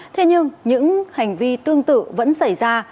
thế nhưng những hành vi tương tự vẫn xảy ra